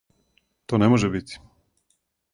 То не може бити?